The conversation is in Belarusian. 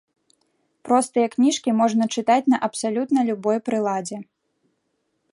Простыя кніжкі можна чытаць на абсалютна любой прыладзе.